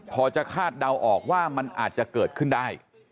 พอจะคาดเดาออกว่ามันอาจจะเกิดขึ้นได้